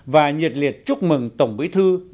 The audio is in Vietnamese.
và nhiệt liệt chúc mừng tổng bí thư